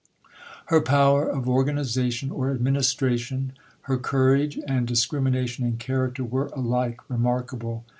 Her power of organization or administration, her courage, and discrimination in character, were alike remarkable.